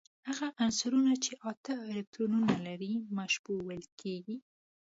هغه عنصرونه چې اته الکترونونه لري مشبوع ویل کیږي.